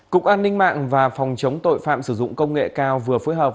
cục an ninh mạng và phòng chống tội phạm sử dụng công nghệ cao vừa phối hợp